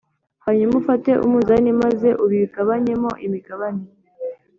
hanyuma ufate umunzani maze ubigabanyemo imigabane